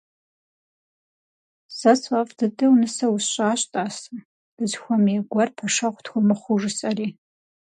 Сэ сфӏэфӏ дыдэу нысэ усщӏащ, тӏасэ, дызыхуэмей гуэр пэшэгъу тхуэмыхъуу жысӏэри.